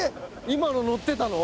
今の乗ってたの？